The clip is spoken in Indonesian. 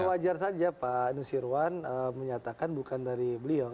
wajar saja pak nusirwan menyatakan bukan dari beliau